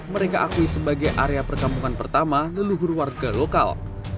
mereka akui sebagai area perkampungan pertama leluhur warga lokal